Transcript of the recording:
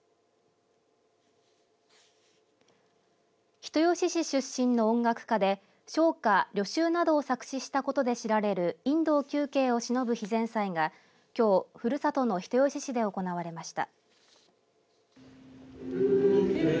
人吉市出身の音楽家で唱歌、旅愁などを作詞したことで知られる犬童球渓をしのぶ碑前祭がきょう、ふるさとの人吉市で行われました。